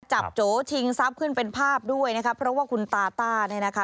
โจชิงทรัพย์ขึ้นเป็นภาพด้วยนะคะเพราะว่าคุณตาต้าเนี่ยนะคะ